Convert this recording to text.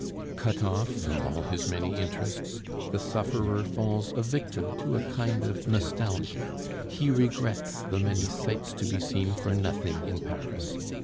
Cut off from all his many interests, the sufferer falls a victim to a kind of nostalgia; he regrets the many sights to be seen for nothing in Paris.